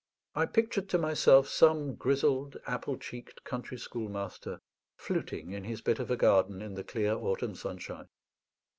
I pictured to myself some grizzled, apple cheeked, country schoolmaster fluting in his bit of a garden in the clear autumn sunshine.